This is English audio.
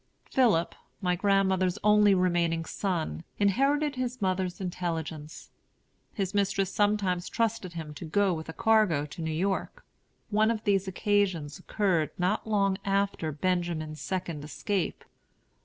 Philip, my grandmother's only remaining son, inherited his mother's intelligence. His mistress sometimes trusted him to go with a cargo to New York. One of these occasions occurred not long after Benjamin's second escape.